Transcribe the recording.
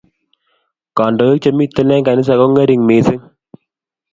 kandoik chemiten eng kanisa ko ngering mising